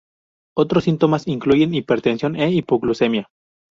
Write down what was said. Otros síntomas incluyen hipertensión e hipoglucemia.